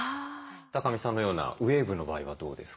二神さんのようなウエーブの場合はどうですか？